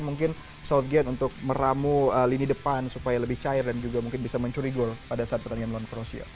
mungkin southgate untuk meramu lini depan supaya lebih cair dan juga mungkin bisa mencuri gol pada saat pertandingan melawan kroasia